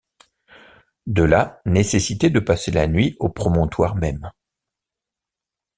De là, nécessité de passer la nuit au promontoire même.